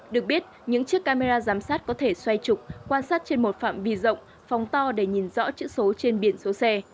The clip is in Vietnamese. được biết những chiếc camera giám sát có thể xoay trục quan sát trên một phạm vi rộng phòng to để nhìn rõ chữ số trên biển số xe